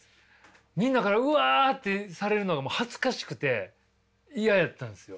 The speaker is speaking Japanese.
みんなからウワッてされるのがもう恥ずかしくて嫌やったんですよ。